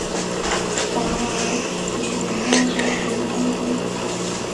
达瓦齐仅带少数人仓皇南逃。